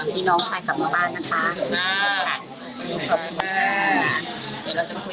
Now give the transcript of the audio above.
อยากให้สังคมรับรู้ด้วย